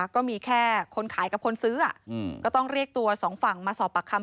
ก็มีแค่คนขายกับคนซื้อก็ต้องเรียกตัวสองฝั่งมาสอบปากคำ